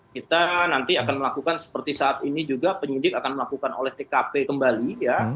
kita nanti akan melakukan seperti saat ini juga penyidik akan melakukan oleh tkp kembali ya